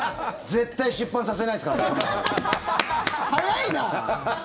絶対出版させないですからね。早いな！